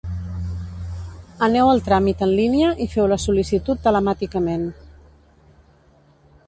Aneu al tràmit en línia i feu la sol·licitud telemàticament.